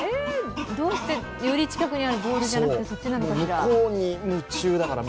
どうして、より近くにあるボールよりそっちなのかしら。